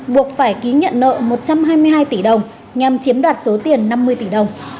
buộc phải ký nhận nợ một trăm hai mươi hai tỷ đồng nhằm chiếm đoạt số tiền năm mươi tỷ đồng